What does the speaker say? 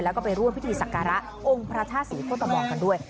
แล้วก็ไปร่วมพิธีสักการะองค์พระธาตุศรีโคตมองกันด้วย